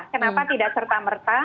kenapa tidak serta merta